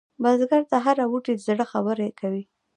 بزګر ته هره بوټۍ د زړه خبره کوي